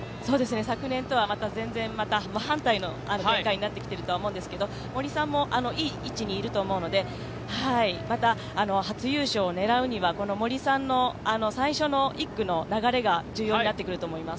昨年とはまた全然真反対の展開になってきていると思うんですけど、森さんもいい位置にいると思うのでまた初優勝を狙うには、森さんの最初の１区の流れが重要になってくると思います。